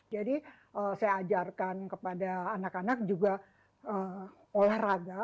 jadi saya ajarkan kepada anak anak juga olahraga